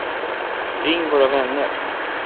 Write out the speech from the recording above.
Ring våra vänner.